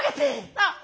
あっ！